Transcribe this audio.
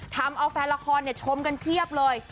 ทำเอาแฟนละครชมกันเพียบเลย